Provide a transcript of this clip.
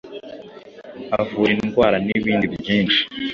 avura indwara n’ibindi byinshi